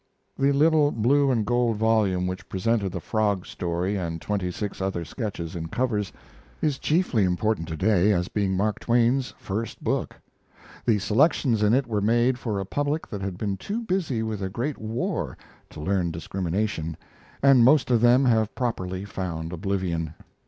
The little blue and gold volume which presented the Frog story and twenty six other sketches in covers is chiefly important to day as being Mark Twain's first book. The selections in it were made for a public that had been too busy with a great war to learn discrimination, and most of them have properly found oblivion.